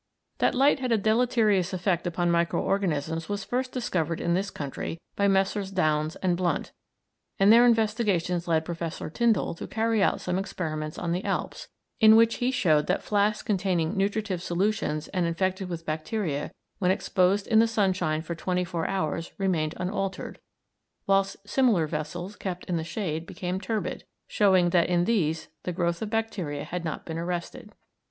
That light had a deleterious effect upon micro organisms was first discovered in this country by Messrs. Downes and Blunt, and their investigations led Professor Tyndall to carry out some experiments on the Alps, in which he showed that flasks containing nutritive solutions and infected with bacteria when exposed in the sunshine for twenty four hours remained unaltered, whilst similar vessels kept in the shade became turbid, showing that in these the growth of bacteria had not been arrested.